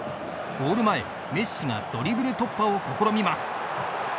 ゴール前、メッシがドリブル突破を試みます。